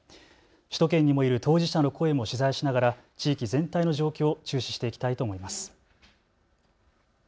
首都圏にもいる当事者の声も取材しながら地域全体の状況を注視していきたいと思います。